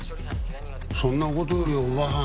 そんな事よりおばはん。